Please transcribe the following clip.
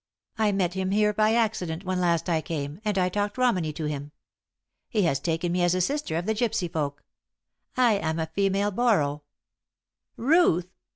"I met him here by accident when last I came, and I talked Romany to him. He has taken me as a sister of the gypsy folk. I am a female Borrow." "Ruth!"